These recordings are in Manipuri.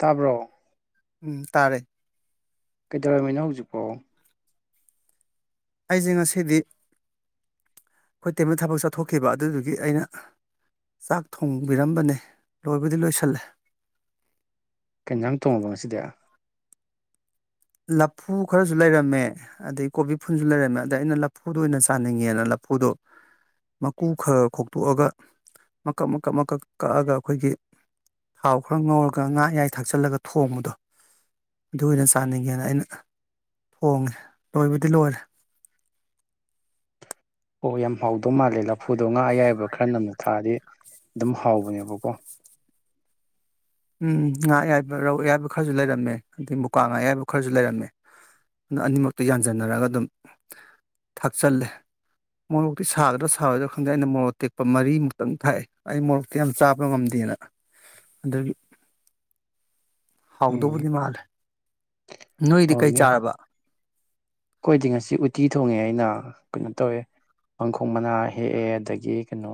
ꯇꯥꯕ꯭ꯔꯣ ꯎꯝ ꯇꯥꯔꯦ ꯀꯩꯗꯧꯔꯝꯃꯤꯅꯣ ꯍꯧꯖꯤꯛꯐꯥꯎ ꯑꯩꯁꯦ ꯉꯁꯤꯗꯤ ꯑꯩꯈꯣꯏ ꯇꯦꯝꯅ ꯊꯕꯛ ꯆꯠꯊꯣꯛꯈꯤꯕ ꯑꯗꯨꯗꯨꯒꯤ ꯑꯩꯅ ꯆꯥꯛ ꯊꯣꯡꯕꯤꯔꯝꯕꯅꯤ ꯂꯣꯏꯕꯨꯗꯤ ꯂꯣꯏꯁꯤꯜꯂꯦ ꯀꯦꯟꯖꯥꯡ ꯊꯣꯡꯉꯕ ꯉꯁꯤꯗꯤ ꯂꯐꯨ ꯈꯔꯁꯨ ꯂꯩꯔꯝꯃꯦ ꯑꯗꯩ ꯀꯣꯕꯤ ꯐꯨꯜꯁꯨ ꯂꯩꯔꯝꯃꯦ ꯑꯗ ꯑꯩꯅ ꯂꯐꯨꯗ ꯑꯣꯏꯅ ꯆꯥꯅꯤꯡꯉꯦꯅ ꯂꯐꯨ ꯐꯨꯗꯣ ꯃꯀꯨ ꯈꯔ ꯈꯣꯛꯇꯣꯛꯑꯒ ꯃꯀꯞ ꯃꯀꯛ ꯃꯀꯛ ꯀꯛꯑꯒ ꯑꯩꯈꯣꯏꯒꯤ ꯊꯥꯎ ꯈꯔ ꯉꯧꯔꯒ ꯉꯥ ꯌꯥꯌꯥꯏ ꯊꯥꯛꯆꯤꯜꯂꯒ ꯊꯣꯡꯕꯗꯣ ꯑꯗꯨ ꯑꯣꯏꯅ ꯆꯥꯅꯤꯡꯉꯤ ꯒꯦꯅ ꯑꯩꯅ ꯊꯣꯡꯉꯦ ꯂꯣꯏꯕꯨꯗꯤ ꯂꯣꯏꯔꯦ ꯑꯣ ꯌꯥꯝ ꯍꯥꯎꯗꯧ ꯃꯥꯜꯂꯦ ꯂꯐꯨꯗꯣ ꯉꯥ ꯑꯌꯥꯏꯕ ꯈꯔ ꯅꯝꯅ ꯊꯥꯛꯑꯗꯤ ꯑꯗꯨꯝ ꯍꯥꯎꯕꯅꯦꯕꯀꯣ ꯎꯝ ꯉꯥ ꯑꯌꯥꯏꯕ ꯔꯧ ꯑꯌꯥꯏꯕ ꯈꯔꯖꯨ ꯂꯩꯔꯝꯃꯦ ꯑꯗꯩ ꯃꯨꯀꯥ ꯉꯥ ꯑꯌꯥꯏꯕ ꯈꯔꯖꯨ ꯂꯩꯔꯝꯃꯦ ꯑꯅꯤꯃꯛꯇ ꯌꯥꯟꯁꯤꯟꯅꯔꯒ ꯑꯗꯨꯝ ꯊꯥꯛꯆꯜꯂꯦ ꯃꯣꯔꯣꯛꯇꯤ ꯁꯥꯒꯗ꯭ꯔꯥ ꯁꯥꯔꯣꯏꯗ꯭ꯔꯥ ꯈꯪꯗꯦ ꯑꯩꯅ ꯃꯣꯔꯣꯛ ꯇꯦꯛꯄ ꯃꯔꯤꯃꯨꯛꯇꯪ ꯊꯥꯛꯑꯦ ꯑꯩ ꯃꯣꯔꯣꯛꯇꯤ ꯌꯥꯝ ꯆꯥꯕ ꯉꯝꯗꯦ [unintelligible] ꯑꯗꯨꯒꯤ ꯎꯝ ꯍꯥꯎꯗꯧꯕꯨꯗꯤ ꯃꯥꯜꯂꯦ ꯅꯣꯏꯗꯤ ꯀꯩ ꯆꯥꯔꯕ ꯈꯣꯏꯗꯤ ꯉꯁꯤ ꯎꯇꯤ ꯊꯣꯡꯉꯦ ꯑꯩꯅ ꯀꯩꯅꯣ ꯇꯧꯋꯦ ꯄꯥꯡꯈꯣꯛ ꯃꯅꯥ ꯍꯦꯛꯑꯦ ꯑꯗꯒꯤ ꯀꯩꯅꯣ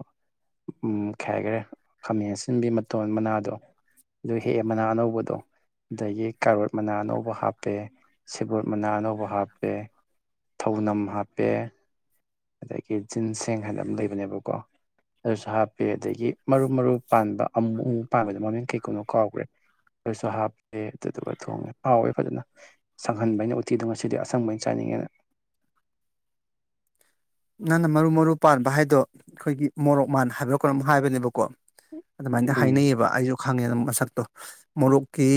ꯎꯝ [unintelligible] ꯈꯥꯃꯦꯟ ꯑꯁꯤꯟꯕꯤ ꯃꯇꯣꯟ ꯃꯅꯥꯗꯣ ꯑꯥꯗꯨ ꯍꯦꯛꯑꯦ ꯃꯅꯥ ꯑꯅꯧꯕꯗꯣ ꯑꯥꯗꯒꯤ ꯀꯥꯔꯣꯠ ꯃꯅꯥ ꯑꯥꯅꯧꯕ ꯍꯥꯞꯄꯦ ꯁꯦꯕꯣꯠ ꯃꯅꯥ ꯑꯅꯧꯕ ꯍꯥꯞ ꯄꯦ ꯊꯧꯅꯝ ꯍꯥꯞꯄꯦ ꯑꯗꯒꯤ ꯖꯤꯟ ꯁꯦꯡ ꯍꯥꯏꯅ ꯑꯃ ꯂꯩꯕꯅꯦꯕꯀꯣ ꯑꯥꯗꯨꯁꯨ ꯍꯥꯞꯄꯦ ꯑꯗꯒꯤ ꯃꯔꯨ ꯃꯔꯨ ꯄꯥꯟꯕ ꯑꯃꯨ ꯄꯥꯟꯕꯗ ꯃꯃꯤꯡ ꯀꯩꯀꯧꯅꯣ ꯀꯥꯎꯒ꯭ꯔꯦ ꯑꯥꯗꯨꯁꯨ ꯍꯥꯞꯄꯦ ꯑꯗꯨꯗꯨꯒ ꯊꯣꯡꯉꯦ ꯍꯥꯎꯋꯦ ꯐꯖꯅ ꯁꯪꯍꯟꯕ ꯑꯩꯅ ꯎꯠꯇꯤꯗꯣ ꯉꯁꯤꯗꯤ ꯑꯥꯁꯪꯕ ꯑꯣꯏꯅ ꯆꯥꯅꯤꯡꯉꯦꯅ [inaudible] ꯅꯪꯅ ꯃꯔꯨ ꯃꯔꯨ ꯄꯥꯟꯕ ꯍꯥꯏꯗꯣ ꯈꯣꯏꯒꯤ ꯃꯣꯔꯣꯛ ꯃꯥꯟ ꯍꯥꯏꯕ꯭ꯔꯥ ꯀꯩꯅꯣꯝ ꯍꯥꯏꯕꯅꯦꯕꯀꯣ ꯑꯗꯨꯃꯥꯏꯅ ꯎꯝ ꯍꯥꯏꯅꯩꯌꯦꯕ ꯑꯩꯖꯨ ꯈꯪꯉꯦ ꯑꯗꯨ ꯃꯁꯛꯇꯣ ꯃꯣꯔꯣꯛꯀꯤ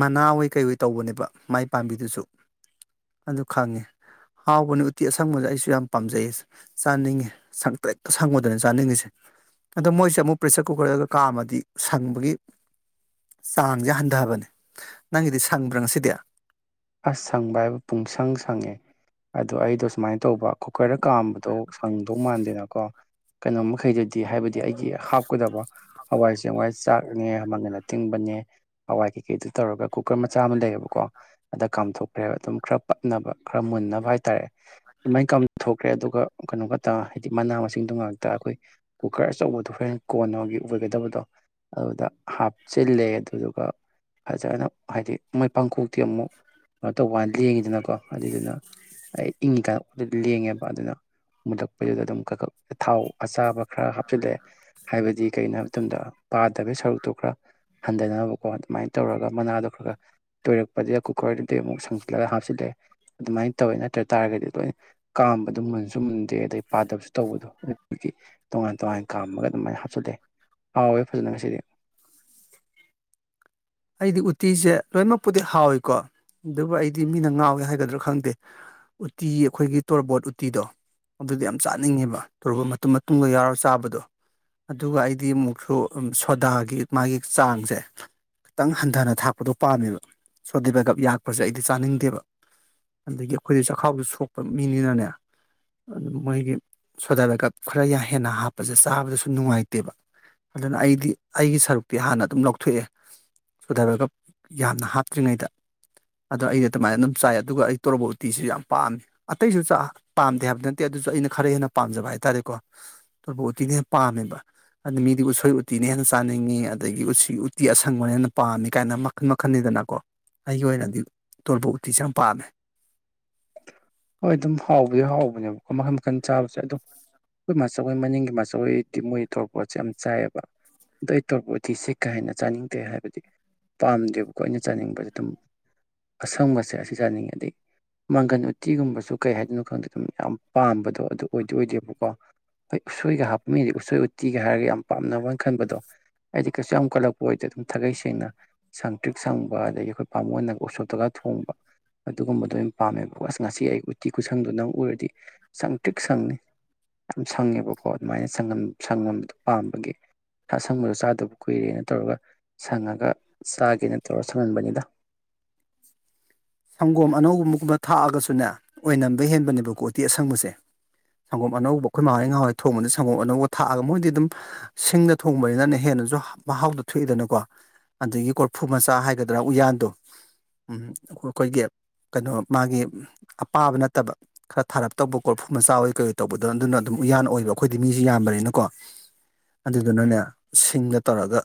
ꯃꯅꯥꯑꯣꯏ ꯀꯩꯑꯣꯏ ꯇꯧꯕꯅꯦꯕ ꯃꯥꯏ ꯄꯥꯝꯕꯤꯗꯨꯖꯨ ꯑꯗꯨ ꯈꯪꯉꯦ ꯍꯥꯎꯕꯅꯤ ꯎꯇꯤ ꯑꯁꯪꯕꯗ ꯑꯩꯁꯨ ꯌꯥꯝ ꯄꯥꯝꯖꯩꯌꯦ ꯆꯥꯅꯤꯡꯉꯤ ꯁꯪꯇ꯭ꯔꯤꯛ ꯁꯪꯕꯗꯨꯅꯦ ꯆꯥꯅꯤꯡꯉꯤꯁꯦ ꯑꯥꯗꯣ ꯃꯣꯏꯁꯦ ꯑꯃꯨꯛ ꯄ꯭ꯔꯦꯁꯔ ꯀꯨꯀꯔꯗꯒ ꯀꯥꯝꯃꯗꯤ ꯁꯪꯕꯒꯤ ꯆꯥꯡꯖꯦ ꯍꯟꯗꯕꯅꯦ ꯅꯪꯒꯤꯗꯤ ꯁꯪꯕ꯭ꯔꯥ ꯉꯁꯤꯗꯤ ꯑꯁ ꯁꯪꯕ ꯍꯥꯏꯕ ꯄꯨꯡꯁꯪ ꯁꯪꯉꯦ ꯑꯗꯣ ꯑꯩꯗꯣ ꯁꯨꯃꯥꯏꯅ ꯇꯧꯕ ꯀꯨꯀꯔꯗ ꯀꯥꯝꯕꯗꯣ ꯁꯪꯗꯧ ꯃꯥꯟꯗꯦꯅꯀꯣ ꯀꯩꯅꯣ ꯃꯈꯩꯗꯨꯗꯤ ꯍꯥꯏꯕꯗꯤ ꯑꯩꯒꯤ ꯍꯥꯞꯀꯗꯕ ꯍꯋꯥꯏ ꯆꯦꯡꯋꯥꯏ ꯆꯥꯛꯅꯦ ꯃꯪꯒꯟ ꯑꯇꯤꯡꯕ ꯅꯦ ꯍꯋꯥꯏ ꯀꯩꯀꯩꯗꯨ ꯇꯧꯔꯒ ꯀꯨꯀꯔ ꯃꯆꯥ ꯑꯃ ꯂꯩꯌꯦꯕꯀꯣ ꯑꯗ ꯀꯥꯝꯊꯣꯛꯈ꯭ꯔꯦꯕ ꯑꯗꯨꯝ ꯈꯔ ꯄꯠꯅꯕ ꯈꯔ ꯃꯨꯟꯅꯕ ꯍꯥꯏꯇꯥꯔꯦ ꯑꯗꯨꯃꯥꯏ ꯀꯥꯝꯊꯣꯛꯈ꯭ꯔꯦ ꯑꯗꯨꯒ ꯀꯩꯅꯣ ꯈꯛꯇ ꯍꯥꯏꯗꯤ ꯃꯅꯥ ꯃꯁꯤꯡꯗꯨ ꯉꯥꯛꯇ ꯑꯥꯈꯣꯏ ꯀꯨꯀꯔ ꯑꯆꯧꯕꯗꯣ ꯍꯣꯔꯦꯟ ꯀꯣꯟꯅꯒꯤ ꯑꯣꯏꯒꯗꯕꯗꯣ ꯑꯗꯨꯗ ꯍꯥꯞꯆꯤꯜꯂꯦ ꯑꯗꯨꯗꯨꯒ ꯐꯖꯅ ꯍꯥꯏꯗꯤ ꯃꯣꯏ ꯄꯥꯡꯀꯣꯛꯇꯤ ꯑꯃꯨꯛ [unintelligible] ꯂꯦꯡꯉꯤꯗꯅꯀꯣ ꯑꯗꯨꯏꯗꯨꯅ ꯑꯩ ꯏꯪꯉꯤꯀꯥꯟꯗ ꯂꯦꯡꯉꯦꯕ ꯑꯗꯨꯅ ꯃꯨꯜꯂꯛꯄꯩꯗꯨꯗ ꯑꯗꯨꯝ ꯈꯛ ꯈꯛꯓ ꯊꯥꯎ ꯑꯁꯥꯕ ꯈꯔ ꯍꯥꯞꯆꯤꯜꯂꯦ ꯍꯥꯏꯕꯗꯤ ꯀꯩꯒꯤꯅꯣ ꯍꯥꯏꯕ ꯃꯇꯝꯗ ꯄꯥꯗꯕꯒꯤ ꯁꯔꯨꯛꯇꯨ ꯈꯔ ꯍꯟꯗꯅꯕꯀꯣ ꯑꯗꯨꯃꯥꯏ ꯇꯧꯔꯒ ꯃꯅꯥꯗꯣ ꯈꯔ ꯈꯔ ꯇꯣꯏꯔꯛꯄꯗꯒꯤ ꯑꯀꯨꯞ ꯈꯣꯏ ꯑꯗꯨꯗꯤ ꯑꯃꯨꯛ ꯁꯪꯖꯤꯜꯂꯒ ꯍꯥꯞꯆꯤꯜꯂꯦ ꯑꯗꯨꯃꯥꯏ ꯇꯧꯋꯦ ꯅꯠꯇ꯭ꯔ ꯇꯥꯔꯒꯗꯤ ꯂꯣꯏꯅ ꯀꯥꯝꯕꯗꯣ ꯃꯨꯟꯁꯨ ꯃꯨꯟꯗꯦ ꯑꯗꯩ ꯄꯥꯗꯕꯁꯨ ꯇꯧꯕꯗꯣ ꯇꯣꯉꯥꯟ ꯇꯣꯉꯥꯟ ꯀꯥꯝꯃꯒ ꯑꯗꯨꯃꯥꯏꯅ ꯍꯥꯞꯆꯤꯜꯂꯦ ꯍꯥꯎꯋꯦ ꯐꯖꯅ ꯉꯁꯤꯗꯤ ꯑꯩꯗꯤ ꯎꯇꯤꯖꯦ ꯂꯣꯏꯅꯃꯛꯄꯨꯗꯤ ꯍꯥꯎꯋꯤꯀꯣ ꯑꯗꯨꯕꯨ ꯑꯩꯗꯤ ꯃꯤꯅ ꯉꯥꯎꯋꯦ ꯍꯥꯏꯒꯗ꯭ꯔꯥ ꯈꯪꯗꯦ ꯎꯇꯤ ꯑꯈꯣꯏꯒꯤ ꯇꯣꯔꯕꯣꯠ ꯎꯇꯤꯗꯣ ꯑꯗꯨꯗꯤ ꯌꯥꯝ ꯆꯥꯅꯤꯡꯉꯦꯕ ꯇꯧꯔꯕꯣꯠ ꯃꯇꯨꯝ ꯃꯇꯨꯝꯒ ꯌꯥꯎꯔꯒ ꯆꯥꯕꯗꯣ ꯑꯗꯨꯒ ꯑꯩꯗꯤ ꯑꯃꯨꯛꯁꯨ ꯁꯣꯗꯥꯒꯤ ꯃꯥꯒꯤ ꯆꯥꯡꯖꯦ ꯈꯤꯇꯪ ꯍꯟꯊꯅ ꯊꯥꯛꯄꯗꯣ ꯄꯥꯝꯃꯦꯕ ꯁꯣ ꯗꯤ ꯕꯩꯒꯞ ꯌꯥꯛꯄꯖꯦ ꯑꯩꯗꯤ ꯆꯥꯅꯤꯡꯗꯦꯕ ꯑꯗꯒꯤ ꯈꯣꯏꯗꯤ ꯆꯈꯥꯎꯖꯨ ꯁꯣꯛꯄ ꯃꯤꯅꯤꯅꯅꯦ ꯑꯗꯨ ꯃꯣꯏꯒꯤ ꯁꯣꯗꯥꯕꯩꯒꯞ ꯈꯔ ꯍꯦꯟꯅ ꯍꯥꯞꯄꯁꯦ ꯆꯥꯕꯗꯁꯨ ꯅꯨꯡꯉꯥꯏꯇꯦꯕ ꯑꯗꯨꯅ ꯑꯩꯗꯤ ꯑꯩꯒꯤ ꯁꯔꯨꯛꯇꯤ ꯍꯥꯟꯅ ꯑꯗꯨꯝ ꯂꯧꯊꯣꯛꯑꯦ ꯁꯣꯗꯥꯕꯩꯒꯞ ꯌꯥꯝꯅ ꯍꯥꯞꯇ꯭ꯔꯤꯉꯩꯗ ꯑꯗꯣ ꯑꯩ ꯑꯗꯨꯃꯥꯏꯅ ꯑꯗꯨꯝ ꯆꯥꯏ ꯑꯗꯨꯒ ꯑꯩ ꯇꯣꯔꯕꯣꯠ ꯎꯇꯤꯁꯤ ꯌꯥꯝ ꯄꯥꯝꯃꯤ ꯑꯇꯩꯖꯨ ꯆꯥ ꯄꯥꯝꯗꯦ ꯍꯥꯏꯕ ꯅꯠꯇꯦ ꯑꯗꯨꯖꯨ ꯑꯩꯅ ꯈꯔ ꯍꯦꯟꯅ ꯄꯥꯝꯖꯕ ꯍꯥꯏꯇꯥꯔꯦꯀꯣ ꯇꯣꯔꯕꯣꯠ ꯎꯇꯤꯅ ꯍꯦꯟꯅ ꯄꯥꯝꯃꯦꯕ ꯑꯥꯗꯨ ꯃꯤꯗꯤ ꯎꯁꯣꯏ ꯎꯇꯤꯅꯦ ꯍꯦꯟꯅ ꯆꯥꯅꯤꯡꯉꯤ ꯑꯥꯗꯒꯤ ꯎꯁꯤ ꯎꯠ ꯇꯤ ꯑꯥꯁꯪꯕꯅꯦꯅ ꯄꯥꯝꯃꯤ ꯀꯥꯏꯅ ꯃꯈꯟ ꯃꯈꯜꯅꯤꯗꯅꯀꯣ ꯑꯩꯒꯤ ꯑꯣꯏꯅꯗꯤ ꯇꯣꯔꯕꯣꯠ ꯎꯇꯤꯁꯦ ꯌꯥꯝ ꯄꯥꯝꯃꯦ ꯍꯣꯏ ꯑꯗꯨꯝ ꯍꯥꯎꯕꯗꯤ ꯍꯥꯎꯕꯅꯦꯕꯀꯣ ꯃꯈꯟ ꯃꯈꯟ ꯆꯥꯕꯁꯦ ꯑꯗꯨꯝ ꯈꯣꯏ ꯃꯥꯆꯧ ꯍꯣꯏ ꯃꯅꯤꯡꯒꯤ ꯃꯥꯆꯧ ꯍꯣꯏꯗꯤ ꯃꯣꯏ ꯇꯧꯛꯕꯣꯠꯁꯦ ꯌꯥꯝ ꯆꯥꯏꯑꯕ ꯑꯗꯣ ꯑꯩ ꯇꯧꯔꯕꯣꯠ ꯎꯇꯤ ꯁꯤ ꯀꯌꯥ ꯍꯦꯟꯅ ꯆꯥꯅꯤꯡꯗꯦ ꯍꯥꯏꯕꯗꯤ ꯄꯥꯝꯗꯦꯕꯀꯣ ꯑꯩꯅ ꯆꯥꯅꯤꯡꯕꯖꯦ ꯑꯗꯨꯝ ꯑꯁꯪꯕꯁꯦ ꯑꯁꯤ ꯆꯥꯅꯤꯡꯉꯦꯗꯤ ꯃꯪꯒꯟ ꯎꯠ ꯇꯤꯒꯨꯝꯕꯁꯨ ꯀꯩ ꯍꯥꯏꯗꯨꯅꯣ ꯈꯪꯗꯦ ꯑꯗꯨꯝ ꯌꯥꯝ ꯄꯥꯝꯕꯗꯣ ꯑꯗꯨ ꯑꯣꯏꯗꯤ ꯑꯣꯏꯗꯦꯕꯀꯣ ꯍꯣꯏ ꯎꯁꯣꯏꯒ ꯍꯥꯞꯄ ꯃꯤꯗꯤ ꯎꯁꯣꯏ ꯎꯠꯇꯤꯒ ꯍꯥꯏꯔꯒ ꯌꯥꯝ ꯄꯥꯝꯅꯕꯣꯏ ꯈꯟꯕꯗꯣ ꯑꯩꯗꯤ ꯀꯩꯁꯨ ꯌꯥꯝ ꯀꯜꯂꯛꯄ ꯑꯣꯏꯗꯦ ꯑꯗꯨꯝ ꯊꯥꯒꯩ ꯁꯦꯡꯅ ꯁꯪ ꯇ꯭ꯔꯤꯛ ꯁꯪꯕ ꯑꯗꯒꯤ ꯑꯈꯣꯏ ꯕꯥꯃꯣꯟꯅꯒ ꯎꯁꯣꯞꯇꯒ ꯊꯣꯡꯕ ꯑꯗꯨꯒꯨꯝꯕꯗꯣ ꯌꯥꯝ ꯄꯥꯝꯃꯦꯕꯀꯣ ꯑꯁ ꯉꯁꯤ ꯑꯩ ꯎꯠꯇꯤ ꯀꯨꯁꯪꯗꯨ ꯅꯪ ꯎꯔꯗꯤ ꯁꯪ ꯇ꯭ꯔꯤꯛ ꯁꯪꯅꯤ ꯌꯥꯝ ꯁꯪꯉꯦꯕꯀꯣ ꯑꯗꯨꯃꯥꯏꯅ ꯁꯪꯉꯝ ꯁꯪꯉꯝꯕꯗꯣ ꯄꯥꯝꯕꯒꯤ ꯑꯁꯪꯕꯗꯣ ꯆꯥꯗꯕ ꯀꯨꯏꯔꯦꯅ ꯇꯧꯔꯒ ꯁꯪꯉꯒ ꯆꯥꯒꯦꯅ ꯇꯧꯔ ꯁꯪꯍꯟꯕꯅꯤꯗ [inaudible] ꯁꯪꯒꯣꯝ ꯑꯅꯧꯕꯨꯝꯒꯨꯝꯕ ꯊꯥꯛꯑꯒꯁꯨꯅꯦ ꯑꯣꯏꯅꯝꯕ ꯍꯦꯟꯕꯅꯦꯕꯀꯣ ꯎꯇꯤ ꯑꯁꯪꯕꯁꯦ ꯁꯪꯒꯣꯝ ꯑꯅꯧꯕ ꯈꯣꯏ ꯃꯥ ꯍꯣꯏ ꯉꯥꯋꯥꯏ ꯊꯣꯡꯕꯗ ꯁꯪꯒꯣꯝ ꯑꯅꯧꯕ ꯊꯥꯛꯑꯒ ꯃꯣꯏꯗꯤ ꯑꯗꯨꯝ ꯁꯤꯡꯅ ꯊꯣꯡꯕꯅꯤꯅ ꯅꯦ ꯍꯦꯟ ꯅꯁꯨ ꯃꯍꯥꯎꯗꯨ ꯊꯣꯛꯏꯗꯅꯀꯣ ꯑꯗꯒꯤ ꯀꯣꯔꯐꯨ ꯃꯆꯥ ꯍꯥꯏꯒꯗ꯭ꯔꯥ ꯎꯌꯥꯟꯗꯣ ꯎꯝ ꯑꯣꯈꯣꯏ ꯀꯣꯏꯒꯤ ꯀꯩꯅꯣ ꯃꯥꯒꯤ ꯑꯄꯥꯕ ꯅꯠꯇꯕ ꯈꯔ ꯊꯥꯔꯞ ꯇꯧꯕ ꯈꯣꯠꯐꯨ ꯃꯆꯥ ꯑꯣꯏ ꯀꯩ ꯑꯣꯏ ꯇꯧꯕꯗꯣ ꯑꯗꯨꯅ ꯑꯗꯨꯝ ꯎꯌꯥꯟ ꯑꯣꯏꯕ ꯑꯈꯣꯏꯗꯤ ꯃꯤꯁꯤ ꯌꯥꯝꯕꯅꯤꯅꯀꯣ ꯑꯗꯨꯗꯨꯅꯅꯣ ꯁꯤꯡꯗ ꯇꯧꯔꯒ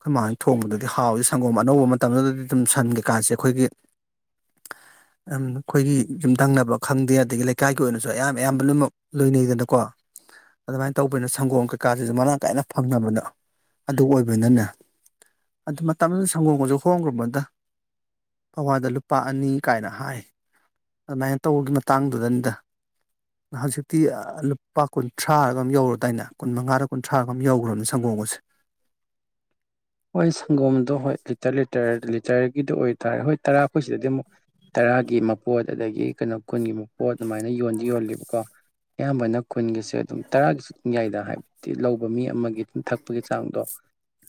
ꯈꯣꯏ ꯃꯥ ꯍꯣꯏꯅ ꯊꯣꯡꯕꯗꯗꯤ ꯍꯥꯎꯋꯤ ꯁꯪꯒꯣꯝ ꯑꯅꯧꯕ ꯃꯇꯝꯗꯨꯗꯗꯤ ꯑꯗꯨꯝ ꯁꯟ ꯀꯩꯀꯥꯁꯦ ꯑꯩꯈꯣꯏꯒꯤ [inaudible] ꯑꯝ ꯈꯣꯏꯒꯤ ꯌꯨꯝꯗꯪꯅꯕ ꯈꯪꯗꯦ ꯑꯗꯒꯤ ꯂꯩꯀꯥꯏꯒꯤ ꯑꯣꯏꯅꯁꯨ ꯑꯌꯥꯝ ꯑꯌꯥꯝꯕ ꯂꯣꯏꯃꯛ ꯂꯣꯏꯅꯩꯗꯅꯀꯣ ꯑꯗꯨꯃꯥꯏꯅ ꯇꯧꯕꯅꯤꯅ ꯁꯪꯒꯣꯝ ꯀꯩꯀꯥꯁꯤꯁꯨ ꯃꯔꯥꯡ ꯀꯥꯏꯅ ꯐꯪꯅꯕꯗꯣ ꯑꯗꯨ ꯑꯣꯏꯕꯅꯤꯅꯅꯦ ꯑꯗꯨ ꯃꯇꯝꯗꯨꯗ ꯁꯪꯒꯣꯝꯒꯁꯨ ꯍꯣꯡꯒ꯭ꯔꯕꯗ ꯄꯋꯥꯗ ꯂꯨꯞ ꯂꯨꯄꯥ ꯑꯅꯤ ꯀꯥꯏꯅ ꯍꯥꯏ ꯑꯗꯨꯃꯥꯏꯅ ꯇꯧ ꯃꯇꯥꯡꯗꯨꯗꯅꯤꯗ ꯍꯧꯇꯤꯛꯇꯤ ꯑꯥ ꯂꯨꯞ ꯂꯨꯄꯥ ꯀꯨꯟꯊ꯭ꯔꯥꯔ ꯀꯩꯅꯣꯝꯃ ꯌꯧꯔꯗꯥꯏꯅꯦ ꯀꯨꯟ ꯃꯉꯥꯒ ꯀꯨꯟꯊ꯭ꯔꯥ ꯔ ꯀꯩꯅꯣꯝꯃ ꯌꯧꯈ꯭ꯔꯕꯅꯦ ꯁꯪꯒꯣꯝꯒꯁꯦ [inaudible] ꯍꯣꯏ ꯁꯪꯒꯣꯝꯗꯣ ꯍꯣꯏ ꯂꯤꯇꯔ ꯂꯤꯇꯔ ꯂꯤꯇꯔꯒꯤꯗꯣ ꯑꯣꯏꯇꯥꯔꯦ ꯍꯣꯏ ꯇꯔꯥ ꯈꯣꯏꯁꯤꯗꯗꯤ ꯑꯃꯨꯛ ꯇꯔꯥꯒꯤ ꯃꯄꯣꯠ ꯑꯗꯒꯤ ꯀꯩꯅꯣ ꯀꯨꯟꯒꯤ ꯃꯄꯣꯠ ꯑꯗꯨꯃꯥꯏꯅ ꯌꯣꯟꯗꯤ ꯌꯣꯜꯂꯤꯦꯕꯀꯣ ꯑꯌꯥꯝꯕꯅ ꯈꯨꯨꯟꯒꯤꯁꯦ ꯑꯗꯨꯝ ꯇꯔꯥꯒꯤꯁꯨꯨꯝ ꯌꯥꯏꯗ ꯍꯥꯏꯕꯗꯤ ꯂꯧꯕ ꯃꯤ ꯑꯃꯒꯤ ꯑꯗꯨꯝ ꯊꯛꯄꯒꯤ ꯆꯥꯡꯗꯣ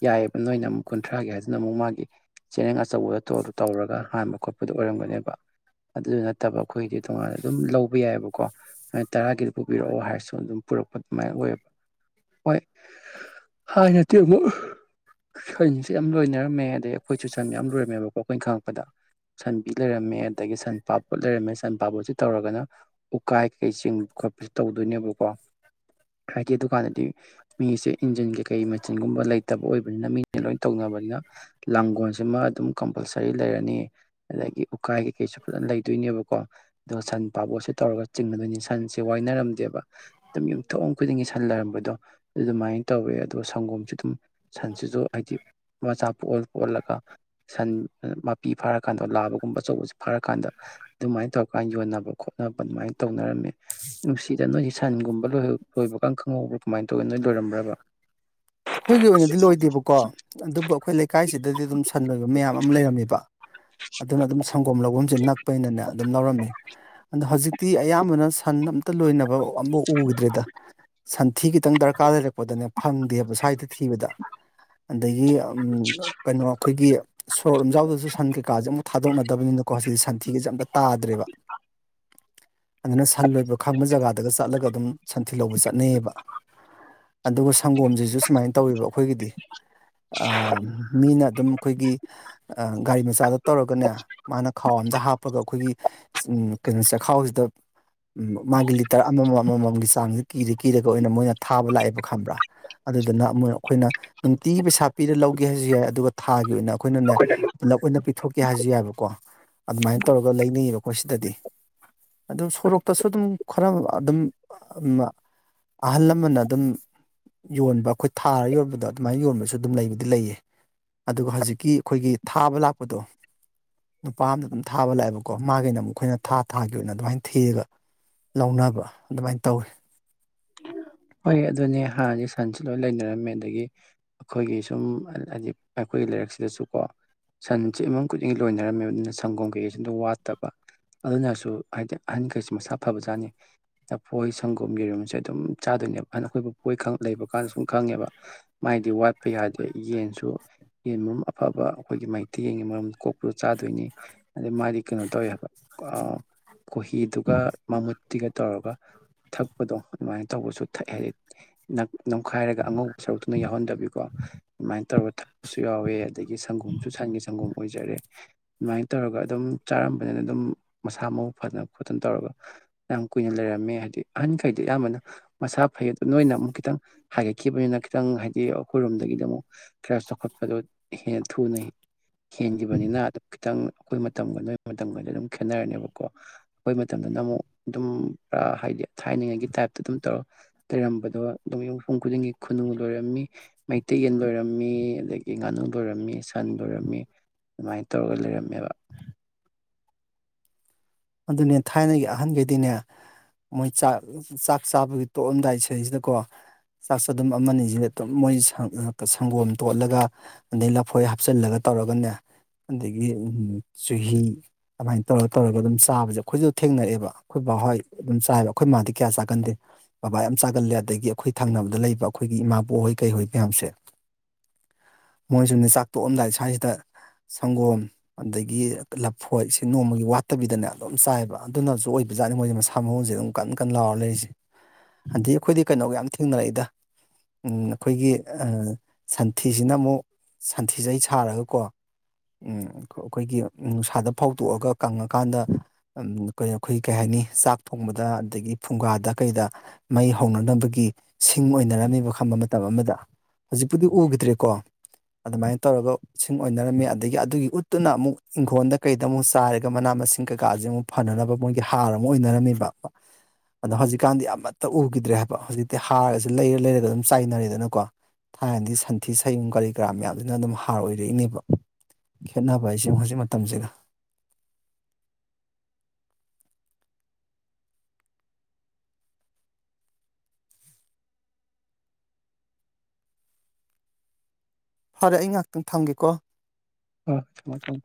ꯌꯥꯏꯞ ꯅꯣꯏꯅ ꯑꯃꯨꯛ ꯀꯨꯟꯊ꯭ꯔꯥꯒꯤ ꯍꯥꯏꯁꯤꯅ ꯑꯃꯨꯛ ꯃꯥꯒꯤ ꯆꯦꯔꯡ ꯑꯆꯧꯕꯗꯣ ꯇꯣꯗꯨ ꯇꯧꯔꯒ ꯍꯥꯟꯕ ꯈꯣꯠꯄꯗꯨ ꯑꯣꯏꯔꯝꯒꯅꯦꯕ ꯑꯗꯨꯗꯨ ꯅꯠꯇꯕ ꯑꯈꯣꯏꯗꯤ ꯇꯣꯉꯥꯟꯅ ꯑꯗꯨꯝ ꯂꯧꯕ ꯌꯥꯏꯑꯕꯀꯣ ꯃꯥꯏ ꯇꯔꯥꯒꯤ ꯄꯨꯕꯤꯔꯛꯑꯣ ꯍꯥꯏꯔꯁꯨ ꯑꯗꯨꯝ ꯄꯨꯔꯛꯄ ꯑꯗꯨꯃꯥꯏꯅ ꯑꯣꯏꯌꯦꯕ ꯍꯣꯏ ꯍꯥꯏ ꯅꯠꯇꯦ ꯑꯃꯨꯛ ꯁꯞꯁꯦ ꯌꯥꯝ ꯂꯣꯏꯅꯔꯝꯃꯦ ꯑꯗꯩ ꯑꯩꯈꯣꯏꯁꯨ ꯁꯟ ꯌꯥꯝ ꯂꯣꯏꯔꯝꯃꯦꯕꯀꯣ ꯑꯈꯣꯏꯅ ꯈꯪꯉꯛꯄꯗ ꯁꯟꯕꯤ ꯂꯩꯔꯝꯃꯦ ꯑꯗꯒꯤ ꯁꯟꯄꯥꯕꯣꯠ ꯂꯩꯔꯝꯃꯦ ꯁꯟꯄꯥꯕꯣꯠꯁꯤ ꯇꯧꯔꯒꯅ ꯎꯀꯥꯏ ꯀꯩꯀꯩ ꯆꯤꯡꯕ ꯈꯠꯄꯖꯦ ꯇꯧꯗꯣꯏꯅꯦꯕꯀꯣ ꯍꯥꯏꯗꯤ ꯗꯨꯀꯥꯟꯗꯗꯤ ꯃꯤꯁꯦ ꯏꯟꯖꯤꯟ ꯀꯩꯀꯩ ꯃꯆꯤꯟꯒꯨꯝꯕ ꯂꯩꯇꯕ ꯑꯣꯏꯕ ꯕꯅꯤꯅ ꯃꯤ ꯂꯣꯏꯅ ꯇꯧꯅꯕꯅꯤꯅ ꯂꯥꯡꯒꯣꯜꯁꯤꯃꯥ ꯑꯗꯨꯝ ꯀꯝꯄꯜꯁꯔꯤ ꯂꯩꯔꯅꯤ ꯑꯗꯒꯤ ꯎꯀꯥꯏ ꯀꯩꯀꯩꯁꯨ ꯐꯖ ꯂꯩꯗꯣꯏꯅꯦꯕꯀꯣ ꯑꯗꯣ ꯁꯟ ꯄꯥꯕꯣꯠꯁꯦ ꯇꯧꯔꯒ ꯆꯤꯡꯒꯗꯣꯏꯅꯤ ꯁꯟ ꯋꯥꯏꯅꯔꯝꯗꯦꯕꯥ ꯑꯗꯨꯝ ꯌꯨꯝꯊꯣꯡ ꯈꯨꯗꯤꯡꯒꯤ ꯁꯟ ꯍꯜ ꯂꯩꯔꯝꯕꯗꯣ ꯑꯗꯨꯃꯥꯏꯅ ꯇꯧꯋꯦ ꯑꯗꯨꯒ ꯁꯪꯒꯣꯝꯁꯨ ꯑꯗꯨꯝ ꯁꯟꯁꯤꯖꯨ ꯍꯥꯏꯗꯤ ꯃꯆꯥ ꯄꯣꯛꯑꯜ ꯄꯣꯛꯑꯜꯂꯒ ꯁꯟ ꯃꯄꯤ ꯐꯥꯔꯛ ꯀꯥꯟꯗ ꯂꯥꯕꯒꯨꯝꯕ ꯑꯆꯧꯕꯁꯦ ꯐꯥꯔꯀꯥꯟꯗ ꯑꯗꯨꯃꯥꯏ ꯇꯧꯔꯀꯥꯟ ꯌꯣꯟꯅꯕ ꯈꯣꯠꯅꯕ ꯑꯗꯨꯃꯥꯏꯅ ꯇꯧꯅꯔꯝꯃꯦ ꯅꯨꯡꯁꯤꯗ ꯅꯣꯏꯒꯤ ꯁꯟꯒꯨꯝꯕ ꯂꯣꯏꯍꯧ ꯂꯣꯏꯕꯀꯥꯟ ꯈꯪꯍꯧꯕ꯭ꯔꯥ ꯀꯃꯥꯏꯅ ꯇꯧꯒꯦ ꯅꯣꯏ ꯂꯣꯏꯔꯝꯕ꯭ꯔꯕ [inaudible] ꯑꯈꯣꯏꯒꯤ ꯑꯣꯏꯅꯗꯤ ꯂꯣꯏꯗꯦꯕꯀꯣ ꯑꯗꯨꯕꯨ ꯑꯩꯈꯣꯏ ꯂꯩꯀꯥꯏꯁꯤꯗꯗꯤ ꯑꯗꯨꯝ ꯁꯟꯂꯣꯏꯕ ꯃꯌꯥꯝ ꯑꯃ ꯂꯩꯔꯝꯃꯦꯕꯥ ꯑꯗꯨꯅ ꯑꯗꯨꯝ ꯁꯪꯒꯣꯝ ꯂꯧꯕꯝꯖꯦ ꯅꯛꯄꯅꯤꯅꯦ ꯑꯗꯨꯝ ꯂꯧꯔꯝꯃꯤ [unintelligible] ꯍꯧꯖꯤꯛꯇꯤ ꯑꯌꯥꯝꯕꯅ ꯁꯟ ꯑꯝꯇ ꯂꯣꯏꯅꯕ ꯑꯝꯕꯣꯛ ꯎꯗ꯭ꯔꯦꯗ ꯁꯟꯊꯤ ꯈꯤꯇꯪ ꯗꯔꯀꯥꯔ ꯂꯩꯔꯛꯄꯗꯅꯦ ꯐꯪꯗꯦꯕ ꯁ꯭ꯋꯥꯏꯗ ꯊꯤꯕꯗ ꯑꯗꯒꯤ ꯑꯝ ꯀꯩꯅꯣ ꯈꯣꯏꯒꯤ ꯁꯣꯔꯣꯛ ꯂꯝꯖꯥꯎꯗꯖꯨ ꯁꯟ ꯀꯩꯀꯥꯖꯦ ꯑꯝꯕꯣꯛ ꯊꯥꯗꯣꯛꯅꯗꯕꯅꯤ [unintelligible] ꯀꯣ [unintelligible] ꯁꯟꯊꯤꯒꯖꯦ ꯑꯝꯇ ꯇꯥꯗ꯭ꯔꯦꯕ ꯑꯗꯨꯅ ꯁꯟ ꯂꯣꯏꯕ ꯈꯪꯕ ꯖꯒꯥꯗꯒ ꯆꯠꯂꯒ ꯑꯗꯨꯝ ꯁꯟꯊꯤ ꯂꯧꯕ ꯆꯠꯅꯩꯌꯦꯕꯥ ꯑꯗꯨꯒ ꯁꯪꯒꯣꯝꯖꯤꯖꯨ ꯁꯨꯃꯥꯏꯅ ꯇꯧꯋꯦꯕ ꯑꯥꯈꯣꯏꯒꯤꯗꯤ ꯑꯥ ꯃꯤꯅ ꯑꯗꯨꯝ ꯈꯣꯏꯒꯤ ꯑꯥ ꯒꯥꯔꯤ ꯃꯆꯥꯗ ꯇꯧꯔꯒꯅꯦ ꯃꯥꯅ ꯈꯥꯎ ꯑꯝꯗ ꯍꯥꯞꯄꯒ ꯈꯣꯏꯒꯤ ꯎꯝ ꯀꯅꯣ ꯆꯦꯈꯥꯎꯖꯤꯗ ꯎꯝ ꯃꯥꯒꯤ ꯂꯤꯇꯔ ꯑꯃꯃꯝ ꯑꯃꯃꯝꯒꯤ ꯆꯥꯡꯖꯦ ꯀꯤꯔ ꯀꯤꯔꯒ ꯑꯣꯏꯅ ꯃꯣꯏꯅ ꯊꯥꯕ ꯂꯥꯛꯑꯦꯕ ꯈꯝꯕ꯭ꯔꯥ ꯑꯗꯨꯗꯨꯅ ꯑꯃꯨ ꯑꯩꯈꯣꯏꯅ ꯅꯨꯡꯇꯤꯒꯤ ꯄꯩꯁꯥ ꯄꯤꯔ ꯂꯧꯒꯦ ꯍꯥꯏꯖꯨ ꯌꯥꯏ ꯑꯗꯨꯒ ꯊꯥꯒꯤ ꯑꯣꯏꯅ ꯈꯣꯏꯅꯅꯦ ꯄꯨꯂꯞ ꯑꯣꯏꯅ ꯄꯤ ꯊꯣꯛꯀꯦ ꯍꯥꯏꯖꯨ ꯌꯥꯏꯕꯀꯣ ꯑꯗꯨꯃꯥꯏ ꯇꯧꯔꯒ ꯂꯩꯅꯩꯌꯦꯕꯀꯣ ꯈꯣꯏ ꯁꯤꯗꯗꯤ ꯑꯗꯨ ꯁꯣꯔꯣꯛꯇꯁꯨ ꯑꯗꯨꯝ ꯈꯔ ꯑꯗꯨꯝ ꯑꯃ ꯑꯍꯜ ꯂꯃꯟꯅ ꯑꯗꯨꯝ ꯌꯣꯟꯕ ꯈꯣꯏ ꯊꯥꯔ ꯌꯣꯟꯕꯗꯣ ꯑꯗꯨꯃꯥꯏꯟ ꯌꯣꯟꯕꯖꯨ ꯑꯗꯨꯝ ꯂꯩꯕꯨꯗꯤ ꯂꯩꯌꯦ ꯑꯗꯨꯒ ꯍꯖꯤꯛꯀꯤ ꯈꯣꯏꯒꯤ ꯊꯥꯕ ꯂꯥꯛꯄꯗꯣ ꯅꯨꯄꯥ ꯑꯝꯅ ꯑꯗꯨꯝ ꯊꯥꯕ ꯂꯥꯛꯑꯦꯕꯀꯣ ꯃꯥꯒꯤꯅ ꯑꯃꯨꯛ ꯑꯩꯈꯣꯏꯅ ꯊꯥ ꯊꯥꯒꯤ ꯑꯣꯏꯅ ꯑꯗꯨꯃꯥꯏꯅ ꯊꯤꯔꯒ ꯂꯧꯅꯕ ꯑꯗꯨꯃꯥꯏ ꯇꯧꯔꯦ ꯁꯟꯁꯨ ꯂꯣꯏ ꯂꯩꯅꯔꯝꯃꯦ ꯑꯗꯒꯤ ꯑꯈꯣꯏꯒꯤ ꯁꯨꯝ ꯍꯥꯏꯗꯤ ꯑꯩꯈꯣꯏꯒꯤ ꯂꯩꯔꯛꯁꯤꯗꯁꯨꯀꯣ ꯁꯟꯖꯦ ꯏꯃꯨꯡ ꯈꯨꯗꯤꯡꯒꯤ ꯂꯣꯏꯅꯔꯝꯃꯦꯕ ꯑꯗꯨꯅ ꯁꯪꯒꯣꯝ ꯀꯩꯀꯩꯖꯨ ꯑꯗꯨꯝ ꯋꯥꯠꯇꯕ ꯑꯗꯨꯅꯁꯨ ꯍꯥꯏꯗꯤ ꯑꯥꯍꯟꯈꯩꯁꯦ ꯃꯁꯥ ꯐꯕꯖꯥꯠꯅꯤ ꯂꯐꯣꯏ ꯁꯪꯒꯣꯝ ꯌꯦꯔꯨꯝꯁꯦ ꯑꯗꯨꯝ ꯆꯥꯗꯣꯏꯅꯦꯕ [unintelligible] ꯑꯥꯈꯣꯏ ꯄꯨꯄꯨ ꯍꯣꯏ ꯈ ꯂꯩꯕꯀꯥꯟꯗ ꯁꯨꯝ ꯈꯪꯉꯦꯕꯥ ꯃꯥꯏꯗꯤ ꯋꯥꯠꯄ ꯌꯥꯗꯦ ꯌꯦꯟꯁꯨ ꯌꯦꯟ ꯃꯔꯨꯝ ꯑꯐꯕ ꯑꯥꯈꯣꯏꯒꯤ ꯃꯩꯇꯩ ꯌꯦꯟꯒꯤ ꯃꯔꯨꯝ ꯀꯣꯛꯄ ꯆꯥꯗꯣꯏꯅꯤ ꯑꯗꯩ ꯃꯥꯗꯤ ꯀꯩꯅꯣ ꯇꯧꯋꯦ ꯍꯥꯏꯕ ꯑꯥ ꯀꯣꯍꯤꯗꯨꯒ ꯃꯃꯨꯠꯇꯤꯒ ꯇꯧꯔꯒ ꯊꯛꯄꯗꯣ ꯑꯗꯨꯃꯥꯏ ꯇꯧꯕꯁꯨ ꯊꯛꯑꯦ ꯍꯥꯏꯗꯤ ꯅꯞ ꯅꯝꯈꯥꯏꯔꯒ ꯑꯥꯉꯧꯕ ꯁꯔꯨꯛꯇꯨꯅ ꯌꯥꯎꯍꯟꯗꯕꯤꯀꯣ ꯑꯗꯨꯃꯥꯏꯅ ꯇꯧꯔ ꯊ ꯄꯁꯨꯨ ꯌꯥꯎꯋꯦ ꯑꯗꯒꯤ ꯁꯪꯒꯣꯝꯁꯨ ꯁꯟꯒꯤ ꯁꯪꯒꯣꯝ ꯑꯣꯏꯖꯔꯦ ꯑꯗꯨꯃꯥꯏ ꯇꯧꯔꯒ ꯑꯗꯨꯝ ꯆꯥꯔꯝꯕꯅꯤꯅ ꯑꯗꯨꯝ ꯃꯁꯥ ꯃꯎ ꯐꯗꯅ ꯈꯣꯠꯇꯅ ꯇꯧꯔꯒ ꯌꯥꯝ ꯀꯨꯏꯅ ꯂꯩꯔꯝꯃꯦ ꯍꯥꯏꯗꯤ ꯑꯥꯍꯟꯈꯩꯗꯤ ꯑꯥꯌꯥꯝꯕꯅ ꯃꯁꯥ ꯐꯩ ꯑꯗꯨ ꯅꯣꯏꯅ ꯑꯃꯨꯛ ꯈꯤꯇꯪ ꯍꯥꯏꯒꯠꯈꯤꯕꯅꯤꯅ ꯈꯤꯇꯪ ꯍꯥꯏꯗꯤ ꯑꯩꯈꯣꯏꯔꯣꯝꯗꯒꯤꯅ ꯑꯃꯨꯛ ꯈꯔ ꯆꯥꯎꯈꯠꯄꯗꯣ ꯍꯦꯟꯅ ꯊꯨꯅꯩ [inaudible] ꯍꯦꯟꯒꯤꯕꯅꯤꯅ ꯗꯨ ꯈꯤꯇꯪ ꯈꯣꯏ ꯃꯇꯝꯒ ꯅꯣꯏ ꯃꯇꯝꯒꯗꯤ ꯑꯗꯨꯝ ꯈꯦꯠꯅꯔꯅꯦꯕꯀꯣ ꯭ꯈꯣꯏ ꯃꯇꯝꯗꯅ ꯑꯃꯨꯛ ꯑꯗꯨꯝ ꯔꯥ ꯍꯥꯏꯗꯤ ꯊꯥꯏꯅꯤꯡꯉꯥꯏꯒꯤ ꯇꯥꯏꯞ [unintelligible] ꯂꯩꯔꯝꯕꯗꯣ ꯑꯗꯨꯝ ꯌꯨꯝ ꯃꯤꯄꯨꯝ ꯈꯨꯗꯤꯡꯒꯤ ꯈꯨꯅꯨ ꯂꯣꯏꯔꯝꯃꯤ ꯃꯩꯇꯩ ꯌꯦꯟ ꯂꯣꯏꯔꯝꯃꯤ ꯑꯗꯒꯤ ꯉꯥꯅꯨ ꯂꯣꯏꯔꯝꯃꯤ ꯁꯟ ꯂꯣꯏꯔꯝꯃꯤ ꯑꯗꯨꯃꯥꯏꯅ ꯇꯧꯔꯒ ꯂꯩꯔꯝꯃꯦꯕ ꯑꯥꯗꯨꯅꯦ ꯊꯥꯏꯅꯒꯤ ꯑꯥꯍꯟꯒꯩꯗꯤꯅꯦ ꯃꯣꯏ ꯆꯥꯛ ꯆꯥꯛ ꯆꯥꯕꯒꯤ ꯇꯣꯛꯑꯝꯗꯥꯏ ꯁꯤꯖꯩꯖꯤꯗꯀꯣ ꯆꯥꯛꯁ ꯑꯥꯗꯨꯝ ꯑꯃꯅꯤꯁꯤꯅ ꯑꯗꯨꯝ ꯃꯣꯏ ꯁꯪꯒꯣꯝ ꯇꯣꯠꯂꯒ ꯑꯥꯗꯩ ꯂꯐꯣꯏ ꯍꯥꯞꯆꯤꯜꯂꯒ ꯇꯧꯔꯒꯅꯦ ꯑꯥꯗꯒꯤ ꯎꯝ ꯆꯨꯍꯤ ꯑꯥꯗꯨꯃꯥꯏꯅ ꯇꯧꯔ ꯇꯧꯔꯒ ꯑꯗꯨꯝ ꯆꯥꯕꯖꯦ ꯈꯣꯏꯖꯨ ꯊꯦꯡꯅꯑꯦꯕ ꯈꯣꯏ ꯕꯥꯣꯏ ꯑꯗꯨꯝ ꯆꯥꯏꯕ ꯈꯣꯏ ꯃꯥꯗꯤ ꯀꯌꯥ ꯆꯥꯒꯟꯗꯦ ꯕꯕꯥ ꯌꯥꯝ ꯆꯥꯒꯜꯂꯦ ꯑꯥꯗꯒꯤ ꯈꯣꯏ ꯊꯪꯅꯕꯗ ꯂꯩꯕ ꯈꯣꯏꯒꯤ ꯏꯃꯥꯕꯣꯛꯍꯣꯏ ꯀꯩꯍꯣꯏ ꯃꯌꯥꯝꯁꯦ ꯃꯣꯏꯖꯨꯅꯦ ꯆꯥꯛ ꯇꯣꯛꯑꯝꯗꯥꯏ ꯁ꯭ꯋꯥꯏꯖꯤꯗ ꯁꯪꯒꯣꯝ ꯑꯥꯗꯒꯤ ꯂꯐꯣꯏ ꯁꯤ ꯅꯣꯡꯃꯒꯤ ꯋꯥꯠꯇꯕꯤꯗꯅꯦ ꯑꯥꯗꯨꯝ ꯆꯥꯏꯕ ꯑꯗꯨꯅꯖꯨ ꯑꯣꯏꯕꯖꯥꯠꯅꯤ ꯃꯣꯏꯖꯦ ꯃꯁꯥ ꯃꯎꯖꯦ ꯑꯗꯨꯝ ꯀꯟ ꯀꯟ ꯂꯥꯎꯔ ꯂꯩꯔꯤꯖꯤ ꯑꯥꯗꯤ ꯈꯣꯏꯗꯤ ꯀꯩꯅꯣꯒ ꯌꯥꯝ ꯊꯦꯡꯅꯔꯛꯏꯗ ꯎꯝ ꯑꯥꯈꯣꯏꯒꯤ ꯑꯥ ꯁꯟꯊꯤꯖꯤꯅ ꯃꯨꯛ ꯁꯟꯊꯤꯖꯩ ꯁꯥꯔꯒꯀꯣ ꯎꯝ ꯈꯣꯏꯒꯤ ꯅꯨꯡꯁꯥꯗ ꯐꯧꯗꯣꯛꯑꯒ ꯀꯪꯉꯀꯥꯟꯗ [unintelligible] ꯑꯩꯈꯣꯏ ꯀꯩ ꯍꯥꯏꯅꯤ ꯆꯥꯛ ꯊꯣꯡꯕꯗ ꯑꯗꯒꯤ ꯐꯨꯡꯒꯥꯗ ꯀꯩꯗ ꯃꯩ ꯍꯧꯅꯅꯕ ꯒꯤ ꯁꯤꯡ ꯑꯣꯏꯅꯔꯝꯃꯤꯕ ꯈꯝꯕ ꯃꯇꯝ ꯑꯃꯗ ꯍꯧꯖꯤꯛꯄꯨꯗꯤ ꯎꯈꯤꯗ꯭ꯔꯦꯀꯣ ꯑꯗꯨꯃꯥꯏ ꯇꯧꯔꯒ ꯁꯤꯡ ꯑꯣꯏꯅꯔꯝꯃꯤ ꯑꯗꯒꯤ ꯑꯗꯨꯒꯤ ꯎꯠꯇꯨꯅ ꯑꯃꯨꯛ ꯏꯪꯈꯣꯜꯗ ꯀꯩꯗ ꯑꯃꯨꯛ ꯆꯥꯔꯒ ꯃꯅꯥ ꯃꯁꯤꯡ ꯀ ꯀꯥꯁꯦ ꯑꯃꯨꯛ ꯐꯅꯅꯕ ꯃꯣꯏꯒꯤ ꯍꯥꯔ ꯑꯃꯨꯛ ꯑꯣꯏꯅꯔꯝꯃꯦꯕ ꯑꯗꯣ ꯍꯧꯖꯤꯛꯀꯥꯟꯗꯤ ꯑꯃꯠꯇ ꯎꯈꯤꯗ꯭ꯔꯦ ꯍꯥꯏꯕ ꯍꯧꯖꯤꯛꯇꯤ ꯍꯥꯔꯁꯦ ꯂꯩꯔ ꯂꯩꯔꯒ ꯑꯗꯨꯝ ꯆꯥꯏꯅꯔꯦꯗꯅꯀꯣ ꯊꯥꯏꯅꯗꯤ ꯁꯟꯊꯤ ꯁꯌꯨꯡ ꯀꯔꯤ ꯀꯔꯥ ꯃꯌꯥꯝꯁꯤꯅ ꯑꯗꯨꯝ ꯍꯥꯔ ꯑꯣꯏꯔꯛꯏꯅꯦꯕ ꯈꯦꯠꯅꯕ ꯍꯥꯏꯁꯦ ꯍꯧꯖꯤꯛ ꯃꯇꯝꯁꯤꯒ ꯐꯔꯦ ꯑꯩ ꯉꯥꯛꯇꯪ ꯊꯝꯒꯦꯀꯣ ꯑ ꯊꯝꯃꯣ ꯊꯝꯃꯣ